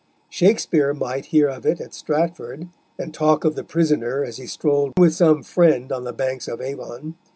Shakespeare might hear of it at Stratford, and talk of the prisoner as he strolled with some friend on the banks of Avon.